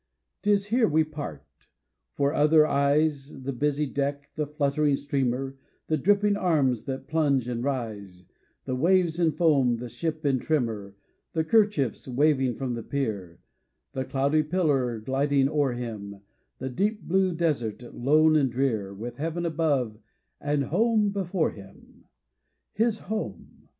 'Tis here we part; for other eyes The busy deck, the fluttering streamer, The dripping arms that plunge and rise, The waves in foam, the ship in tremor, The kerchiefs waving from the pier, The cloudy pillar gliding o'er him, The deep blue desert, lone and drear, With heaven above and home before him! His home!